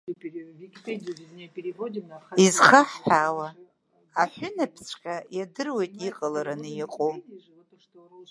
Изхаҳҳәаауа, аҳәынаԥҵәҟьа иадыруеит иҟалараны иҟоу.